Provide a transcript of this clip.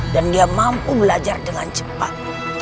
dan dia mampu belajar dengan cepat